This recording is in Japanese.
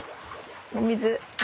お水。